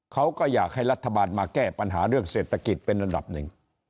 เขาก็อยากให้รัฐบาลมาแก้ปัญหาเรื่องเศรษฐกิจเป็นระดับหนึ่ง